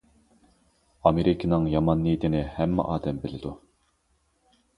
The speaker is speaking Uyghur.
ئامېرىكىنىڭ يامان نىيىتىنى ھەممە ئادەم بىلىدۇ.